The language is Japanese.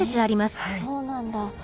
へえそうなんだ。